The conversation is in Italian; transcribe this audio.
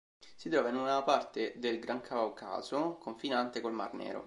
Si trova in una parte del Gran Caucaso confinante col mar Nero.